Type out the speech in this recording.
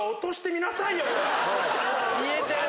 言えてる。